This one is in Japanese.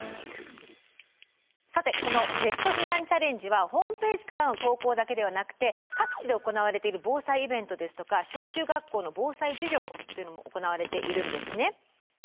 さてこのベスト避難チャレンジはホームページからの投稿だけではなくて各地で行われている防災イベントですとか小中学校の防災授業というのも行われているんですね。